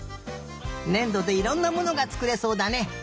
ねんどでいろんなものがつくれそうだね。